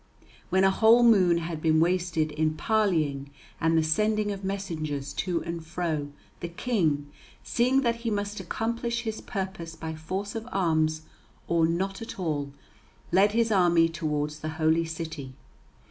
When a whole moon had been wasted in parleying and the sending of messengers to and fro, the King, seeing that he must accomplish his purpose by force of arms or not at all, led his army towards the Holy City.